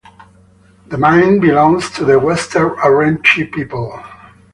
The mine belongs to the Western Arrernte people.